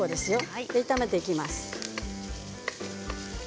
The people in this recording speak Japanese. これで炒めていきます。